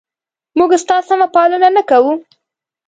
موږ ستا سمه پالنه نه کوو؟